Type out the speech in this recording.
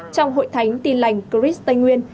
trong hội thánh tin lành cris tây nguyên